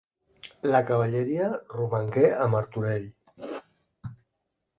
La cavalleria romangué a Martorell.